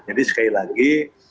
jadi sekali lagi